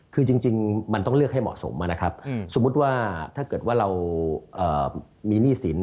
คือจริงมันต้องเลือกให้เหมาะสมนะครับสมมุติว่าถ้าเกิดว่าเรามีหนี้สิน